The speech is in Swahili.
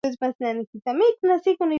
ya kwanza ambayo itapigwa hiyo kesho